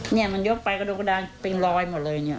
นี่อยากมันยกไปกระดูกกระดาษติงรอยหมดเลย